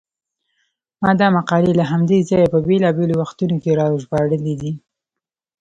ما دا مقالې له همدې ځایه په بېلابېلو وختونو کې راژباړلې دي.